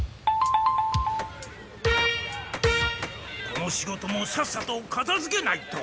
この仕事もさっさとかたづけないと。